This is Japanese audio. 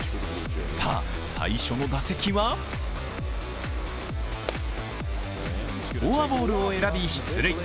さあ、最初の打席はフォアボールを選び出塁。